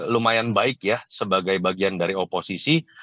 lumayan baik ya sebagai bagian dari oposisi